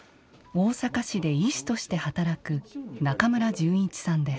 大阪市で医師として働く中村順一さんです。